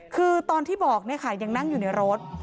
คือตอนที่บอกยังนั่งอยู่ในรถ